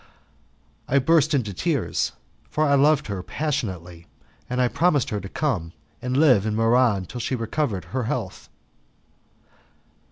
I burst into tears, for I loved her passionately, and I promised her to come and live in Muran until she recovered her health.